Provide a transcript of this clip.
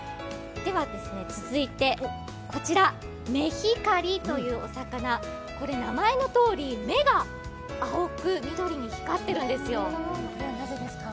続いて、メヒカリというお魚、名前のとおり目が青く緑に光ってるんですよ、なぜですか？